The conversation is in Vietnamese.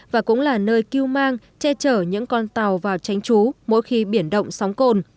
và cũng là nơi cứu mang che chở những con tàu vào tránh trú mỗi khi biển động sóng cồn